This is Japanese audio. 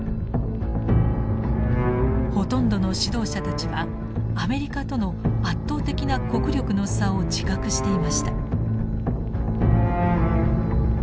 ほとんどの指導者たちはアメリカとの圧倒的な国力の差を自覚していました。